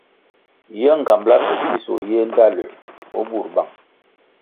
Ye ngambala pe dzisoh yiéh ndtaluer o bur bang.